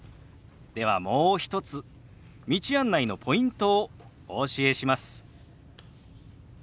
ではもう一つ道案内のポイントをお教えします。